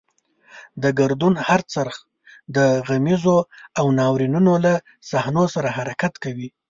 د ګردون هر څرخ د غمیزو او ناورینونو له صحنو سره حرکت کوي.